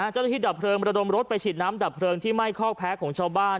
เจ้าที่จับเพลิงมัดดมรดไปฉีดน้ำจับเพลิงที่ไหม้ข้อกแพ้ของชาวบ้าน